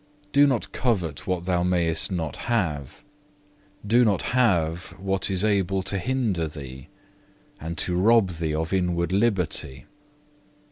Do not covet what thou mayest not have; do not have what is able to hinder thee, and to rob thee of inward liberty.